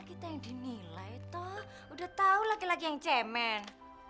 gak dinilai toh udah tau laki laki yang cemen